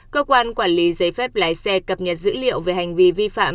cơ quan quản lý giấy phép lái xe cập nhật dữ liệu về hành vi vi phạm